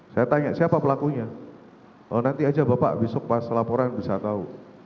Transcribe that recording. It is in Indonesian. saya tanya siapa pelakunya nanti aja bapak besok pas laporan bisa tahu